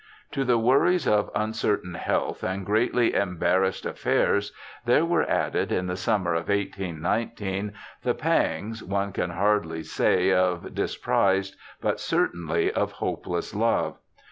To the worries of uncertain health and greatly embar rassed affairs there were added, in the summer of 1819, the pangs, one can hardly say of disprized, but certainly of hopeless love.